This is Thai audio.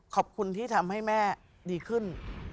ขอบคุณที่ทำให้แม่ดีขึ้น